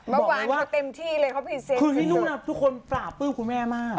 เมื่อวานเขาเต็มที่เลยเขาพิเศษขึ้นคุณที่นุ่มนะทุกคนฝราบปื้มคุณแม่มา